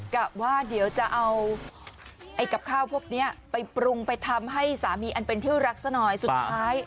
กะว่าเดี๋ยวจะเอาไอ้กับข้าวพวกนี้ไปปรุงไปทำให้สามีอันเป็นเที่ยวรักซะหน่อยสุดท้าย